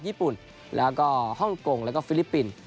ญี่ปุ่นแล้วก็ฮ่องกงแล้วก็ฟิลิปปินส์